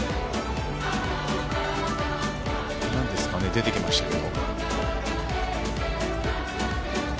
何ですかね出てきましたよ。